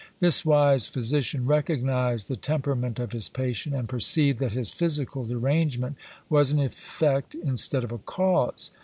This wise physician recognised the temperament of his patient, and perceived that his physical derangement was an effect instead of a cause.